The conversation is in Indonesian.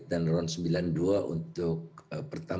dan ron sembilan puluh dua untuk pertalat